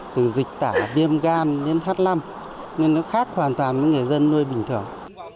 từ dịch tả viêm gan đến h năm nên nó khác hoàn toàn với người dân nuôi bình thường